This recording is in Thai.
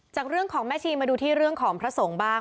จากเรื่องของแม่ชีมาดูที่เรื่องของพระสงฆ์บ้าง